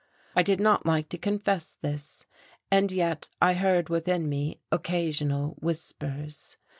I did not like to confess this; and yet I heard within me occasional whispers.